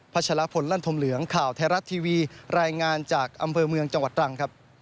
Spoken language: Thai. ชะลพลลั่นธมเหลืองข่าวไทยรัฐทีวีรายงานจากอำเภอเมืองจังหวัดตรังครับ